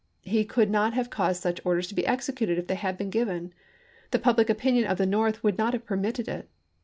He could not have caused such orders to be executed if they had been given. The public opinion of the North would not have permitted it.